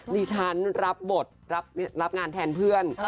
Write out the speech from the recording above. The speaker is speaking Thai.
รับบทรับงานแทนเพื่อน